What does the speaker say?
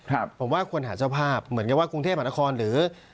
ผมว่าควรหาเจ้าภาพเหมือนกับว่ากรุงเทพมหานครหรือ